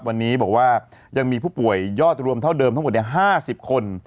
วันนี้บอกว่ายังมีผู้ป่วยยอดรวมเท่าเดิมทั้งหมด๕๐คน